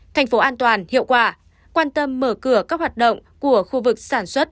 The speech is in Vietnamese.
thành phố an toàn hiệu quả quan tâm mở cửa các hoạt động của khu vực sản xuất